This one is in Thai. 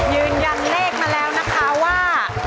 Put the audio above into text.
ยืนยันเลขมาแล้วนะคะว่า